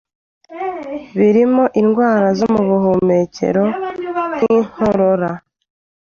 birimo indwara zo mu buhumekero nk'inkorora,